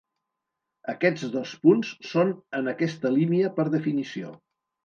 Aquests dos punts són en aquesta línia per definició.